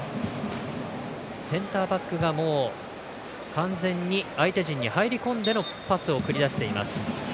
センターバックが完全に相手陣に入り込んでのパスを繰り出しています。